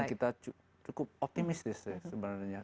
dan kita cukup optimis sih sebenarnya